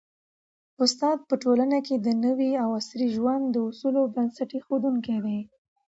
استاد په ټولنه کي د نوي او عصري ژوند د اصولو بنسټ ایښودونکی دی.